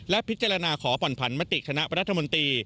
และพิจารณาขอผ่อนผันมติคณะรัฐมนตรี